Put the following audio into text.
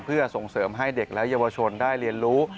เพื่อส่งเสริมให้เด็กและเยาวชนได้เรียนรู้